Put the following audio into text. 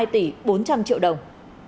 hai tỷ bốn trăm linh triệu đồng